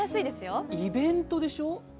イベントでしょ？